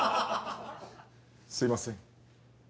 すいません。